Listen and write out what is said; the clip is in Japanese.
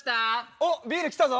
おビール来たぞ！